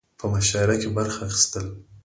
په مشاعره کې برخه اخستل